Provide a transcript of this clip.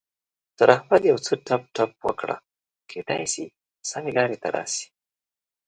تر احمد يو څه ټپ ټپ وکړه؛ کېدای شي سمې لارې ته راشي.